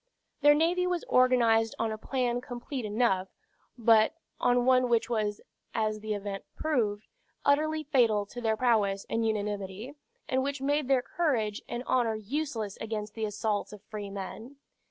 Their navy was organized on a plan complete enough; but on one which was, as the event proved, utterly fatal to their prowess and unanimity, and which made even their courage and honor useless against the assaults of free men.